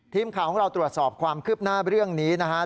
ทีมข่าวของเราตรวจสอบความคืบหน้าเรื่องนี้นะครับ